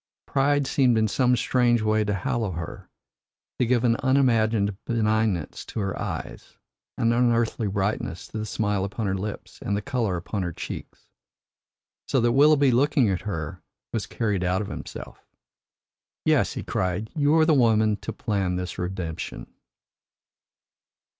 Pride seemed in some strange way to hallow her, to give an unimagined benignance to her eyes, an unearthly brightness to the smile upon her lips and the colour upon her cheeks. So that Willoughby, looking at her, was carried out of himself. "Yes," he cried, "you were the woman to plan this redemption."